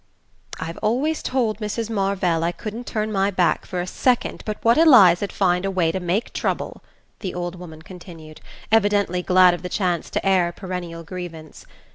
"I've always told Mrs. Marvell I couldn't turn my back for a second but what Eliza'd find a way to make trouble," the old woman continued, evidently glad of the chance to air a perennial grievance.